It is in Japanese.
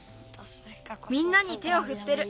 みんなに手をふってる。